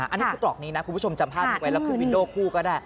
อันนี้คือตรอกนี้นะคุณผู้ชมจำภาพนี้ไว้แล้วคือวินโด่คู่ก็ได้